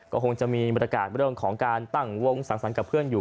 ก็คงจะมีบรรยากาศเรื่องของการตั้งวงสังสรรค์กับเพื่อนอยู่